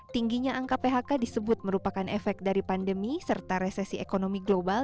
tingginya angka phk disebut merupakan efek dari pandemi serta resesi ekonomi global